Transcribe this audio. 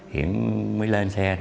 hiển mới lên xe